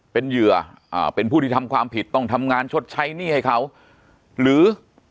เป็นเหยื่ออ่าเป็นผู้ที่ทำความผิดต้องทำงานชดใช้หนี้ให้เขาหรือ